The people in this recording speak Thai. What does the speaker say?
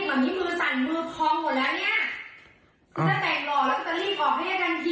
ไม่ได้ดูสภาพคนอื่นมาอยู่สภาพไหนเลย